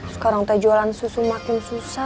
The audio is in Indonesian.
sekarang kita jualan susu makin susah